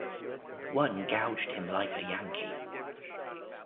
One gouged him like a Yankee.